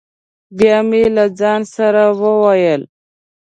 بیا مې له ځانه سره وویل: